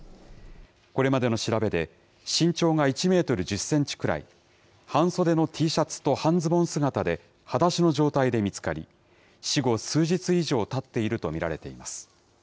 これまでの調べで、身長が１メートル１０センチくらい、半袖のＴシャツと半ズボン姿で、はだしの状態で見つかり、死後、数日以上たっていると見られています。